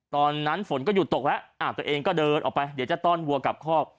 ตอนนั้นฝนก็หยุดตกแล้วตัวเองก็เดินออกไปเดี๋ยวจะต้อนวัวกลับคอก